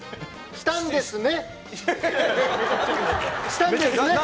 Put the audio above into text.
したんですね？